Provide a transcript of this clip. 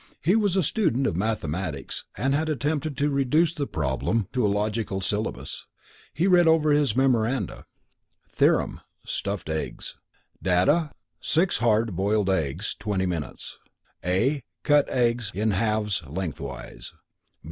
He was a student of mathematics, and had attempted to reduce the problem to a logical syllabus. He read over his memoranda: THEOREM: STUFFED EGGS. Data: six hard, boiled eggs (20 minutes). (a) Cut eggs in halves lengthwise.